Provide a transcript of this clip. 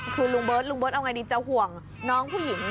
คือลุงเบิร์ตลุงเบิร์ตเอาไงดีจะห่วงน้องผู้หญิง